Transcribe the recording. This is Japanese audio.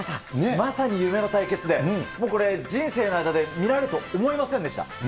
まさに夢の対決で、もうこれ、人生の間で見られると思いません